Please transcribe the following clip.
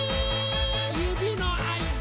ゆびのあいだ！